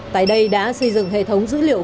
tại đây đã xây dựng hệ thống dữ liệu